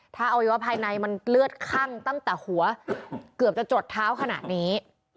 ถ้าอวัยวะภายในมันเลือดคั่งตั้งแต่หัวเกือบจะจดเท้าขนาดนี้